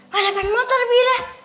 balapan motor bira